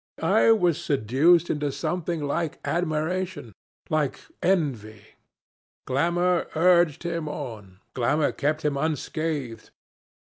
I was seduced into something like admiration like envy. Glamour urged him on, glamour kept him unscathed.